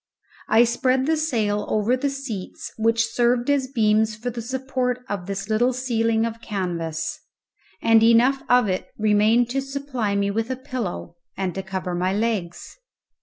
I spread the sail over the seats, which served as beams for the support of this little ceiling of canvas, and enough of it remained to supply me with a pillow and to cover my legs.